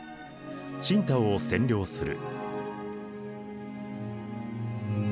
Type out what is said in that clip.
青島を占領する。